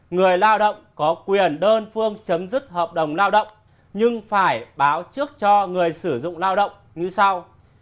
người lao động có quyền đơn phương chấm dứt hợp đồng lao động nhưng phải báo trước cho người sử dụng lao động như sau